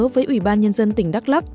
với ủy ban nhân dân tỉnh đắk lắc